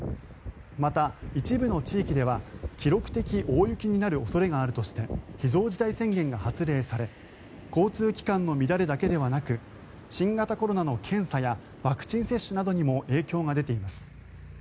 また、一部の地域では記録的大雪になる恐れがあるとして非常事態宣言が発令され交通機関の乱れだけでなく新型コロナの検査やワクチン接種などにも影響が出ています。